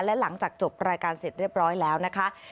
และหลังจากจบรายการเสร็จเรียบร้อยแล้วนะคะ